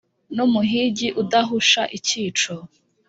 n’umuhigi udahusha icyico